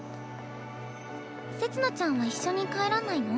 せつ菜ちゃんは一緒に帰らないの？